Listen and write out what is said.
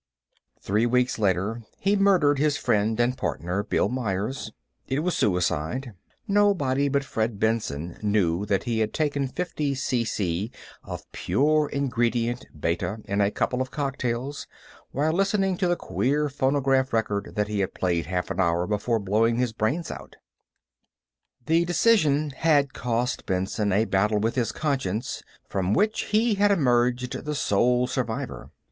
Three weeks later, he murdered his friend and partner, Bill Myers. It was a suicide; nobody but Fred Benson knew that he had taken fifty CC of pure Ingredient Beta in a couple of cocktails while listening to the queer phonograph record that he had played half an hour before blowing his brains out. The decision had cost Benson a battle with his conscience from which he had emerged the sole survivor.